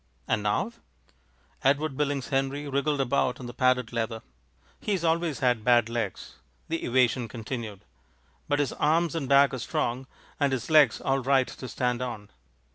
"And now?" Edward Billings Henry wriggled about on the padded leather. "He's always had bad legs," the evasion continued, "but his arms and back are strong, and his legs all right to stand on."